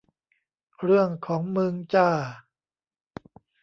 เรื่องของมึงจ้า